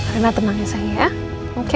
rena tenang ya sayang ya oke